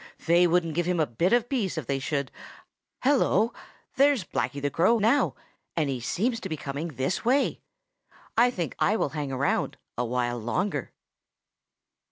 They wouldn't give him a bit of peace if they should. Hello! There's Blacky's voice now, and he seems to be coming this way. I think I will hang around a while longer."